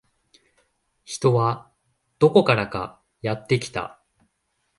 人はどこからかやってきた